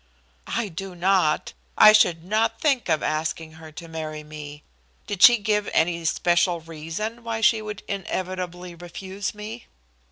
"I do not. I should not think of asking her to marry me. Did she give any especial reason why she would inevitably refuse me?"